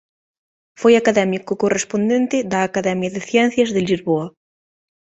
Foi académico correspondente da Academia de Ciencias de Lisboa.